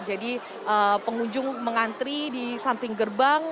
jadi pengunjung mengantri di samping gerbang